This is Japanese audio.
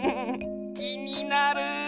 きになる！